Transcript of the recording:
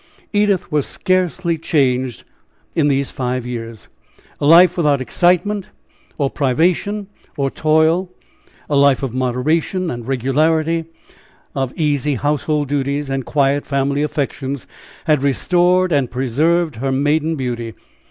Edith was scarcely changed in these five years a life without excitement or privation or toil a life of moderation and regularity of easy household duties, and quiet family affections, had restored and preserved her maiden beauty.